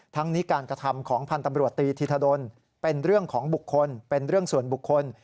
ทั้งนี้การกระทำของพันธ์ตำรวจตีธีธดลเป็นเรื่องของบุคคลเป็นเรื่องส่วนบุคคล